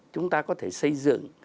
chúng ta có thể xây dựng